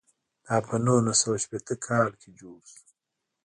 دا په نولس سوه شپېته کال کې جوړ شو.